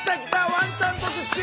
ワンちゃん特集！